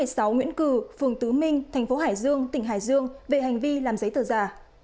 ở số một mươi sáu nguyễn cử phường tứ minh tp hải dương tỉnh hải dương về hành vi làm giấy tờ giả